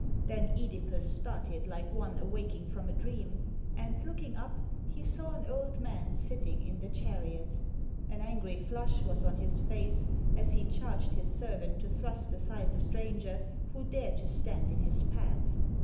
Then CEdipus started like one awaking from a dream, and looking up he saw an old man sitting in the chariot. An angry flush was on his face, as he charged his servant to thrust aside the stranger who dared to stand in his path.